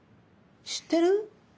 知ってる？